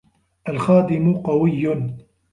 الْخَادِمُ قَوِيُّ.